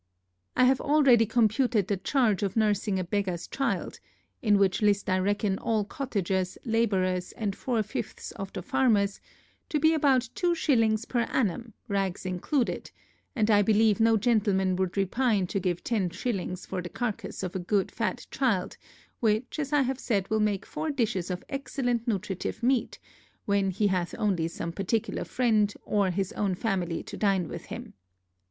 I have already computed the charge of nursing a beggarŌĆÖs child (in which list I reckon all cottagers, labourers, and four fifths of the farmers) to be about two shillings per annum, rags included; and I believe no gentleman would repine to give ten shillings for the carcass of a good fat child, which, as I have said, will make four dishes of excellent nutritive meat, when he hath only some particular friend, or his own family to dine with him.